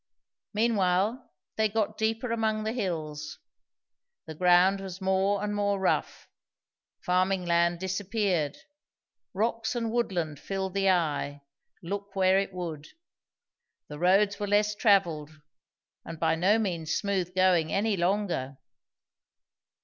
Meanwhile they got deeper among the hills; the ground was more and more rough; farming land disappeared; rocks and woodland filled the eye, look where it would; the roads were less travelled and by no means smooth going any longer.